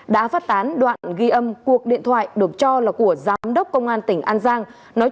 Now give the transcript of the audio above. đã phát tán đoạn ghi âm cuộc điện thoại được cho là của giám đốc công an tỉnh an giang